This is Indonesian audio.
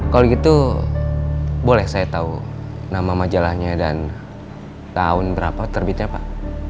kalau gitu boleh saya tahu nama majalahnya dan tahun berapa terbitnya pak